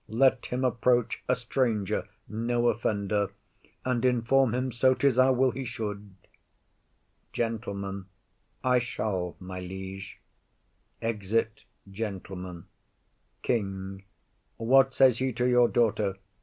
Let him approach A stranger, no offender; and inform him So 'tis our will he should. GENTLEMAN. I shall, my liege. [Exit Gentleman.] KING. What says he to your daughter?